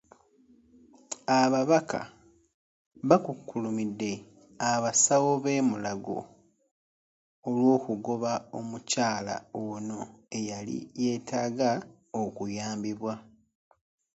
Ababaka baakukkulumidde abasawo b'e Mulago olw'okugoba omukyala ono eyali yeetaaga okuyambibwa.